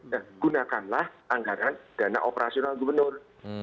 dan gunakanlah anggaran dana operasional gubernur